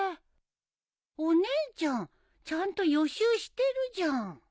お姉ちゃんちゃんと予習してるじゃん。